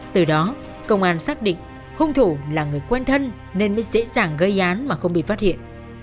từ đó công an xác định hung thủ là người quen thân nên mới dễ dàng gây án mà không bị phát hiện